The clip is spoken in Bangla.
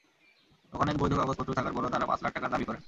দোকানের বৈধ কাগজপত্র থাকার পরও তাঁরা পাঁচ লাখ টাকা চাঁদা দাবি করেন।